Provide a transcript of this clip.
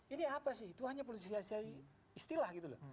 ini apa sih itu hanya politisasi istilah gitu loh